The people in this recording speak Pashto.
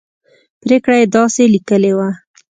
پرېکړه یې داسې لیکلې وه.